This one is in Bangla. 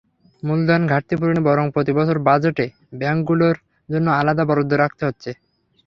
মূলধন ঘাটতি পূরণে বরং প্রতিবছর বাজেটে ব্যাংকগুলোর জন্য আলাদা বরাদ্দ রাখতে হচ্ছে।